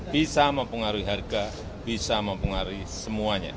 bisa mempengaruhi harga bisa mempengaruhi semuanya